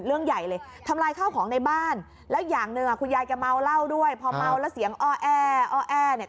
เมาเหล้าด้วยพอเมาแล้วเสียงอ้อแออ้อแอ